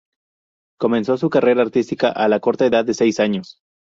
Comenzó su carrera artística a la corta edad de seis años.